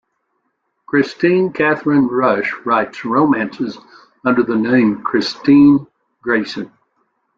Kristine Kathryn Rusch writes romances, under the name "Kristine Grayson".